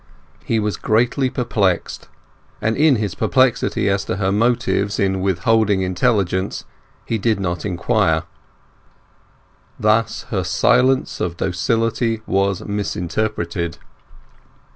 He was greatly perplexed; and in his perplexity as to her motives in withholding intelligence, he did not inquire. Thus her silence of docility was misinterpreted.